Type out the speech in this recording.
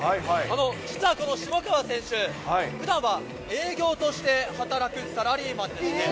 実はこの下川選手、ふだんは営業として働くサラリーマンでして。